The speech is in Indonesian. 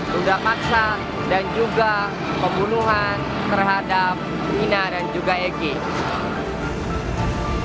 sudah paksa dan juga pembunuhan terhadap vina dan juga eki